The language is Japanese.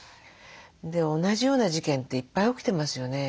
同じような事件っていっぱい起きてますよね。